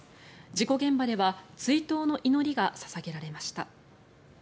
事故現場では追悼の祈りが捧げられました。